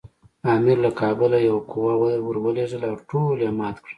امیر له کابله یوه قوه ورولېږله او ټول یې مات کړل.